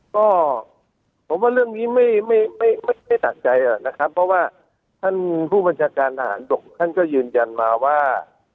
ก็ผมว่าเรื่องนี้ไม่ตัดใจนะครับเพราะว่าท่านผู้บัญชาการทหารบกท่านก็ยืนยันมาว่า